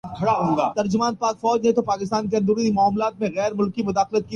P I A کی کراچی سے Medina پرواز میں گنجائش سے زائد مسافروں کا معمہ حل